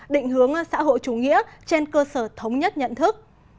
định hướng xã hội chủ nghĩa trên cơ sở thống nhất nhận thức